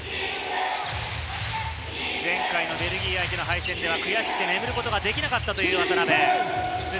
前回のベルギー相手の敗戦では悔しくて眠ることができなかったという渡邊。